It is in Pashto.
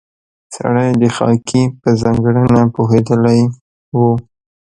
سړی د خاکې په ځانګړنه پوهېدلی و.